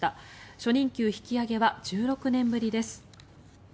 初任給引き上げは１６年ぶりです。